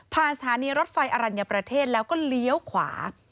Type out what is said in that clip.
สถานีรถไฟอรัญญประเทศแล้วก็เลี้ยวขวา